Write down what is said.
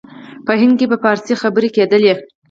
په هند کې په فارسي خبري کېدلې.